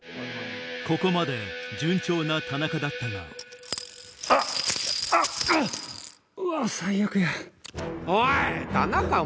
ここまで順調な田中だったがうわ最悪や。